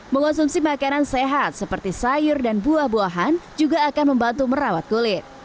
mengonsumsi makanan sehat seperti sayur dan buah buahan juga akan membantu merawat kulit